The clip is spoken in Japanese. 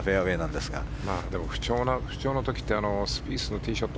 でも不調な時ってスピースのティーショット